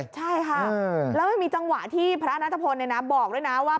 ใช่ค่ะแล้วมันมีจังหวะที่พระนัทพลบอกด้วยนะว่า